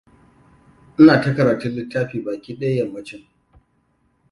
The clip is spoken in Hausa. Ina ta karatun littafi ba ki ɗaya yammacin.